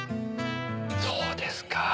そうですか。